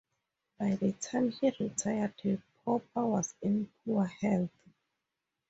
By the time he retired Popper was in poor health.